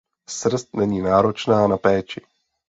Srst není náročná na péči.